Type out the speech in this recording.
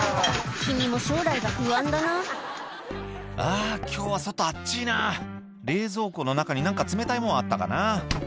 君も将来が不安だな「あぁ今日は外暑っちぃな」「冷蔵庫の中に何か冷たいもんあったかな」